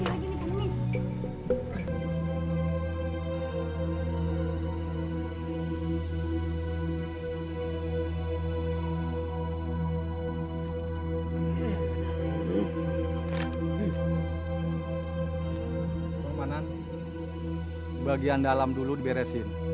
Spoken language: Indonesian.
bapak manan bagian dalam dulu diberesin